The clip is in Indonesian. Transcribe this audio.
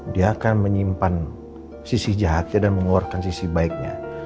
dia akan menyimpan sisi jahatnya dan mengeluarkan sisi baiknya